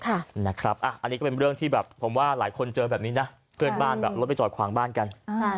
อันนี้ก็เป็นเรื่องที่แบบผมว่าหลายคนเจอแบบนี้นะเพื่อนบ้านแบบรถไปจอดขวางบ้านกัน